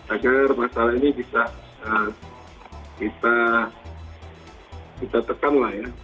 agar masalah ini bisa kita tekan lah ya